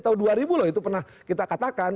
tahun dua ribu loh itu pernah kita katakan